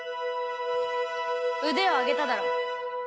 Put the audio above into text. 腕を上げただろ。